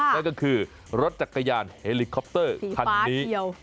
นั่นก็คือรถจักรยานเฮลิคอปเตอร์คันนี้